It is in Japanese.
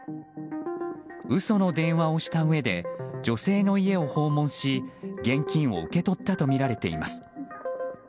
嘘の電話をしたうえで女性の家を訪問し現金を受け取ったとみられています。